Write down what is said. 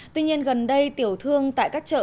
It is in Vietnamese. tuy nhiên gần đây tiểu thương tại các chợ